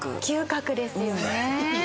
嗅覚ですよね。